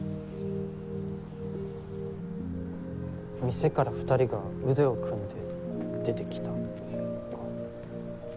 店から２人が腕を組んで出てきたか。